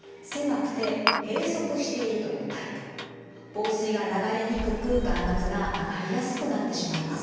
房水が流れにくく眼圧が上がりやすくなってしまいます。